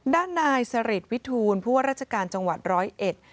ด้านนายสริษฐ์วิทูลผู้ว่ารัชกาลจังหวัด๑๐๑